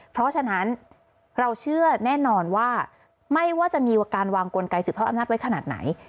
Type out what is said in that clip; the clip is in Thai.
เพราะฉะนั้นเราเชื่อแน่นอนว่าไม่ว่าจะมีการวางกลไกสืบทอดอำนาจไว้ขนาดไหน